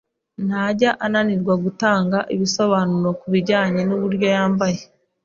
Ntajya ananirwa gutanga ibisobanuro kubijyanye nuburyo yambaye.